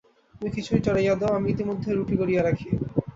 তুমি খিচুড়ি চড়াইয়া দাও, আমি ইতিমধ্যে রুটি গড়িয়া রাখি।